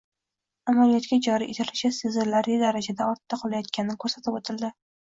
amaliyotga joriy etilishi sezilarli darajada ortda qolayotgani ko'rsatib o'tildi.